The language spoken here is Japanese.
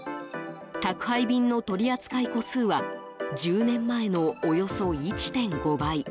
宅配便の取り扱い個数は１０年前のおよそ１．５倍。